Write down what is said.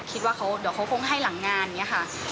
คิดว่าเดี๋ยวเขาคงให้หลังงานอย่างนี้ค่ะ